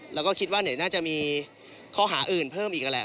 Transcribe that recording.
แล้วก็คิดว่าไหนน่าจะมีข้อหาอื่นเพิ่มอีกนั่นแหละ